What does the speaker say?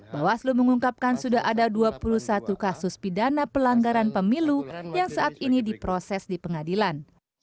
bawaslu mengungkapkan sudah ada dua puluh satu kasus pidana pelanggaran pemilu yang saat ini diproses di pengadilan